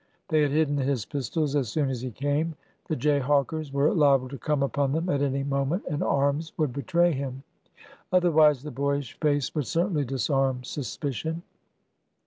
They had hidden his pistols as soon as he came. The jayhawkers were liable to come upon them at any mo ment and arms would betray him. Otherwise, the boyish face would certainly disarm suspicion.